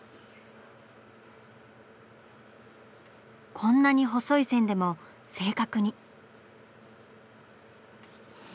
こんなに細い線でも正確に。